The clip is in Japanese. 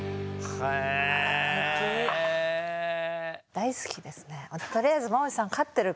大好きですね。